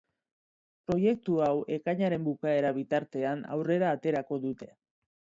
Proiektu hau ekainaren bukaera bitartean aurrera aterako dute.